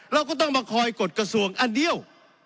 เราก็ต้องมาคอยกฎกระทรวงอันเดียว